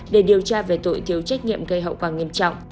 để điều tra về tội thiếu trách nhiệm gây hậu quả nghiêm trọng